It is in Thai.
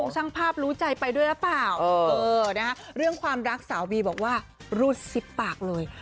ช่างภาพรู้ใจไปด้วยหรือเปล่าเรื่องความรักสาวบีบอกว่ารูดซิบปากเลย